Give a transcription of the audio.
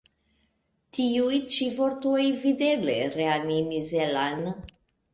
Tiuj ĉi vortoj videble reanimis Ella'n.